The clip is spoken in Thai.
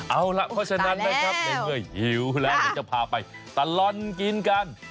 เอาล่ะเพราะฉะนั้นนะครับในเมื่อหิวแล้วเดี๋ยวจะพาไปตลอดกินกัน